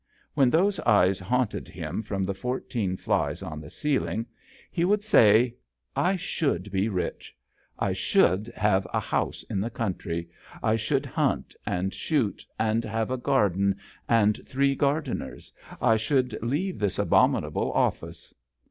When those eyes haunt ed him from the fourteen flies on the ceiling, he would say, " I .should be rich ; I should have a JOHN SHERMAN. 63, house in the country; I should hunt and shoot, and have a garden and three gardeners; I should leave this abominable office."